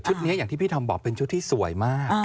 นี้อย่างที่พี่ธอมบอกเป็นชุดที่สวยมาก